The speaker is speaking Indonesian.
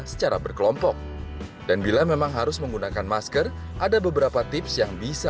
secara berkelompok dan bila memang harus menggunakan masker ada beberapa tips yang bisa